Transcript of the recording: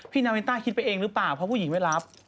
นาวินต้าคิดไปเองหรือเปล่าเพราะผู้หญิงไม่รับ